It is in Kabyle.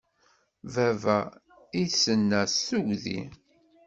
Baba! I d-tenna s tugdi.